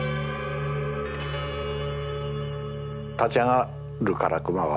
立ち上がるからクマは。